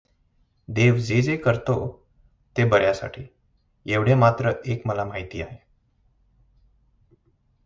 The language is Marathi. देव जे जे करतो ते बऱ्यासाठी, एवढे मात्र एक मला माहीत आहे.